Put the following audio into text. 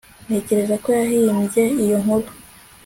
ntekereza ko yahimbye iyo nkuru